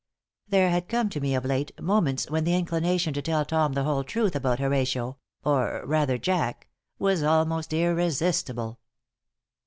There had come to me, of late, moments when the inclination to tell Tom the whole truth about Horatio or, rather, Jack was almost irresistible.